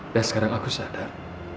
dan sekarang aku sadar